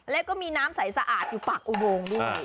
แล้วก็มีน้ำใสสะอาดอยู่ปากอุโมงด้วย